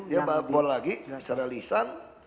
dia lapor lagi secara lisan